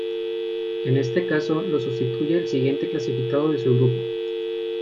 En este caso, lo sustituye el siguiente clasificado de su grupo.